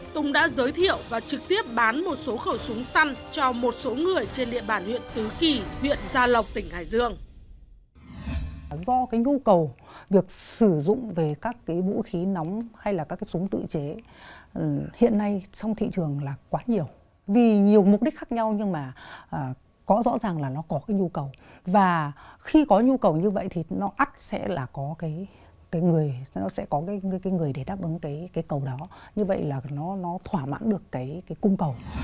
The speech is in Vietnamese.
tùng đã giới thiệu và trực tiếp bán một số khẩu súng săn cho một số người trên địa bàn huyện tứ kỳ huyện gia lộc tp hải dương